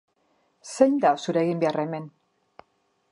Zein da zure eginbeharra hemen?